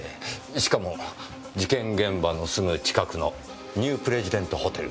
しかも事件現場のすぐ近くのニュープレジデントホテルで。